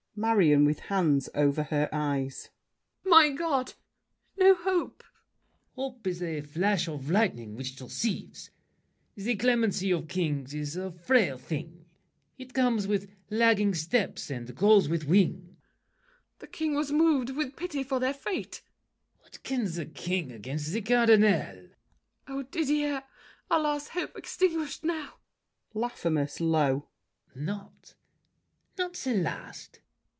MARION (with hands over her eyes). My God! No hope! LAFFEMAS. Hope is a flash of lightning which deceives. The clemency of kings is a frail thing; It comes with lagging steps and goes with wings. MARION. The King was moved with pity for their fate! LAFFEMAS. What can the King against the Cardinal? MARION. Oh, Didier, our last hope's extinguished now! LAFFEMAS (low). Not—not the last!